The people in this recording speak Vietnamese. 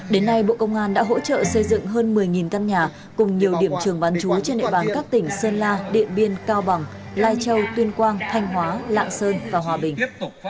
đến nay bộ công an đã hỗ trợ xây dựng hơn một mươi căn nhà cùng nhiều điểm trường bán chú trên địa bàn các tỉnh sơn la điện biên cao bằng lai châu tuyên quang thanh hóa lạng sơn và hòa bình